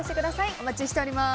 お待ちしております。